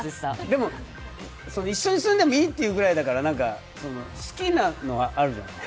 でも一緒に住んでもいいっていうぐらいだから好きなのはあるじゃない。